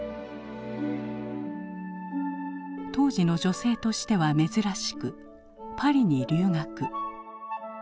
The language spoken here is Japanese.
当時の女性としては珍しくパリに留学。